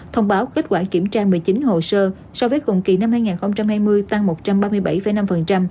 thông báo kết quả kiểm tra một mươi chín hồ sơ so với cùng kỳ năm hai nghìn hai mươi tăng một trăm ba mươi bảy năm